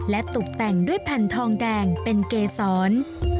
และตกแต่งด้วยแผ่นทองแดงเป็นเกษร